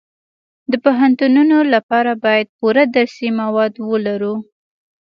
د پوهنتونونو لپاره باید پوره درسي مواد ولرو